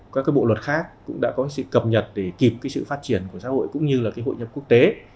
các cái bộ luật khác cũng đã có sự cập nhật để kịp cái sự phát triển của xã hội cũng như là cái hội nhập quốc tế